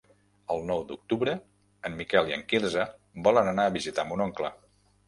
El nou d'octubre en Miquel i en Quirze volen anar a visitar mon oncle.